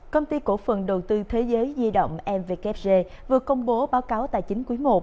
công ty cổ phần đầu tư thế giới di động mvkfg vừa công bố báo cáo tài chính cuối một